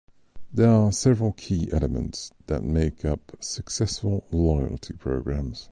There are several key elements that make up successful loyalty programs.